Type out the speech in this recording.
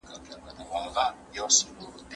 افغانستان د نړیوالو قوانینو د نقضولو پريکړه نه کوي.